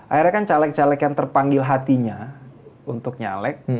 akhirnya kan caleg caleg yang terpanggil hatinya untuk nyalek